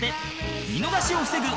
見逃しを防ぐ